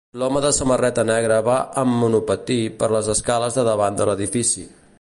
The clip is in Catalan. L'home de samarreta negra va amb monopatí per les escales de davant de l'edifici.